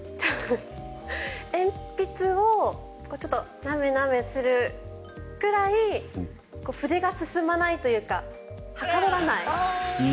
鉛筆をなめなめするくらい筆が進まないというかはかどらない。